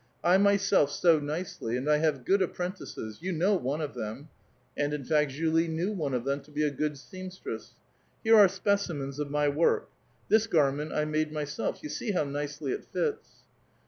I myself sew nicely and 1 have good apprentices. You know one of tliem." And, in fact, Julie knew one of them to be a good seamstress. " Here are specimens of my work. This gar ment I made myself ; you see how nicely it fits."